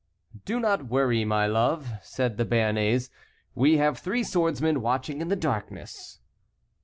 "Do not worry, my love," said the Béarnais, "we have three swordsmen watching in the darkness."